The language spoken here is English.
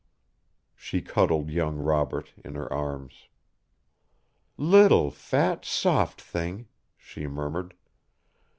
She cuddled young Robert in her arms. "Little, fat, soft thing," she murmured.